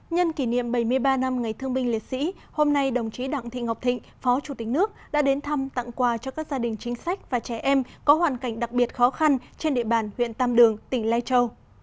nhân kỷ niệm bảy mươi ba năm ngày thương binh liệt sĩ hôm nay đồng chí đặng thị ngọc thịnh phó chủ tịch nước đã đến thăm tặng quà cho các gia đình chính sách và trẻ em có hoàn cảnh đặc biệt khó khăn trên địa bàn huyện tam đường tỉnh lai châu